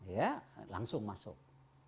ya langsung masuk